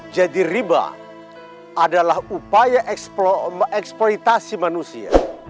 jadi riba adalah upaya eksploitasi manusia